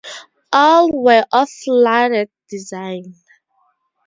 All were of flooded design.